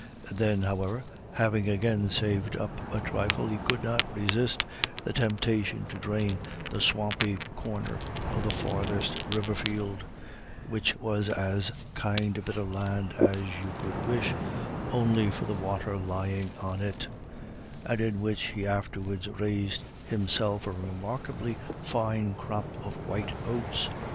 Then, however, having again saved up a trifle, he could not resist the temptation to drain the swampy corner of the farthest river field, which was as kind a bit of land as you could wish, only for the water lying on it, and in which he afterwards raised himself a remarkably fine crop of white oats.